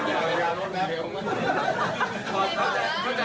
อยากเลือกตั้งหรอ